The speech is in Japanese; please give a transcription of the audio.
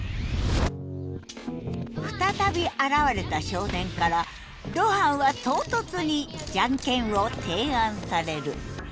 再び現れた少年から露伴は唐突に「ジャンケン」を提案される。